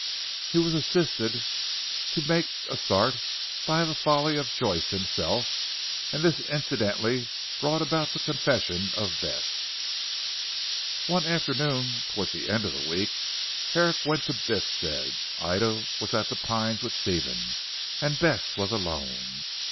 He was assisted to make a start by the folly of Joyce himself, and this incidentally brought about the confession of Bess. One afternoon towards the end of the week Herrick went to Biffstead. Ida was at "The Pines" with Stephen, and Bess was alone.